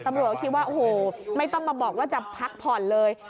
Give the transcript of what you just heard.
ตำรวจก็คิดว่าโอ้โหไม่ต้องมาบอกว่าจะพักผ่อนเลย